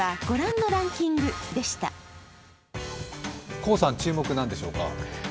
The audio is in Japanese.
黄さん、注目何でしょうか？